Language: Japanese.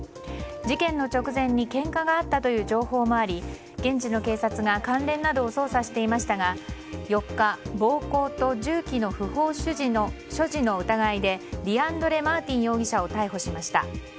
事件の直前にけんかがあったという情報もあり現地の警察が関連などを捜査していましたが４日、暴行と銃器の不法所持の疑いでディアンドレ・マーティン容疑者を逮捕しました。